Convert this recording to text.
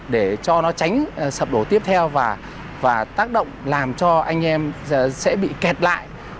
để cho nó tránh sập đổ tiếp theo và tác động làm cho anh em sẽ bị kẹt lại